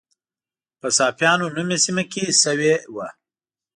په صافیانو نومي سیمه کې شوې وه.